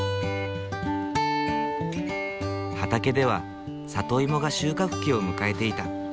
畑ではサトイモが収穫期を迎えていた。